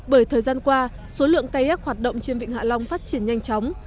bởi thời gian qua số lượng carc hoạt động trên vịnh hạ long phát triển nhanh chóng